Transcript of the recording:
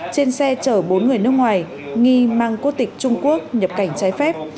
trên xe chở bốn người nước ngoài nghi mang quốc tịch trung quốc nhập cảnh trái phép